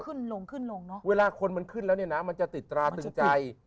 ขึ้นลงขึ้นลงเนอะเวลาคนมันขึ้นแล้วเนี่ยนะมันจะติดตราตึงใจ